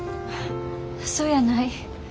そやない。